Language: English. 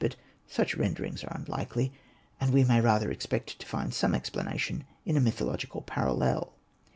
But such renderings are unlikely, and we may the rather expect to find some explanation in a mythological parallel.